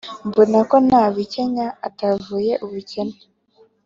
mbona ko nta bikenya atavuye ubukene